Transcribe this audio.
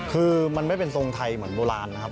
คือมันไม่เป็นทรงไทยเหมือนโบราณนะครับ